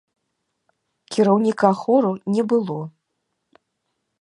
Кіраўніка хору не было.